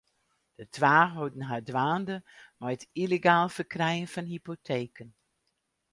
De twa holden har dwaande mei it yllegaal ferkrijen fan hypoteken.